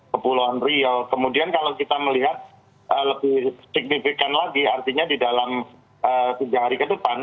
kepulauan riau kemudian kalau kita melihat lebih signifikan lagi artinya di dalam tiga hari ke depan